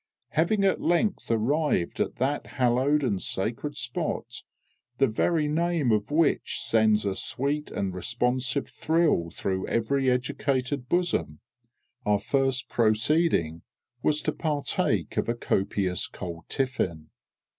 Having at length arrived at that hallowed and sacred spot, the very name of which sends a sweet and responsive thrill through every educated bosom, our first proceeding was to partake of a copious cold tiffin.